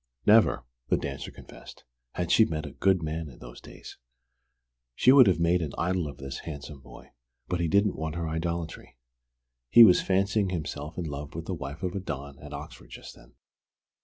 Never the dancer confessed had she met a "good man" in those days. She would have made an idol of this handsome boy; but he didn't want her idolatry. He was fancying himself in love with the wife of a Don at Oxford just then!